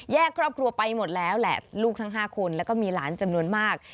ครอบครัวไปหมดแล้วแหละลูกทั้ง๕คนแล้วก็มีหลานจำนวนมาก